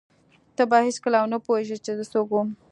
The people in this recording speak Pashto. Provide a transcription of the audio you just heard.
ته به هېڅکله ونه پوهېږې چې زه څوک وم.